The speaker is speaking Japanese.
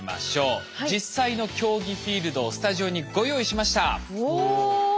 実際の競技フィールドをスタジオにご用意しました。